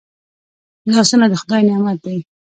لاسونه د خدای نعمت دی